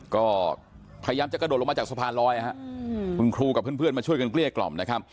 ก็พยายามจะกระโดดลงมาจากสะพานลอยคุณครูกับเพื่อนมาช่วยกันเกลี้ยกล่อมนะครับ